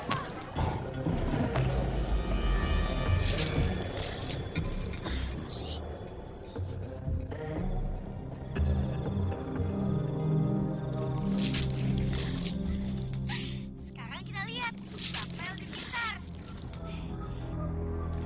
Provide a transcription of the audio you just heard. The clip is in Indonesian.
berhenti tolong aku